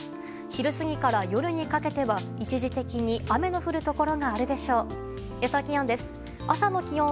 昼過ぎから夜にかけては一時的に雨の降るところがあるでしょう。